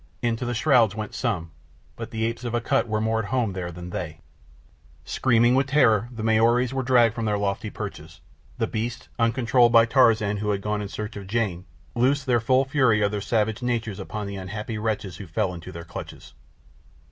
Into the shrouds went some; but the apes of Akut were more at home there than they. Screaming with terror the Maoris were dragged from their lofty perches. The beasts, uncontrolled by Tarzan who had gone in search of Jane, loosed the full fury of their savage natures upon the unhappy wretches who fell into their clutches.